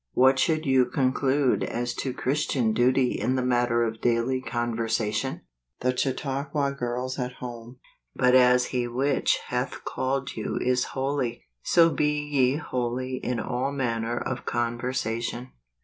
What should you conclude as to Christian duty in the matter of daily con¬ versation ? The Chautauqua Girls at Home. " But as he which hath called you is holy, so be ye holy in all manner of conversation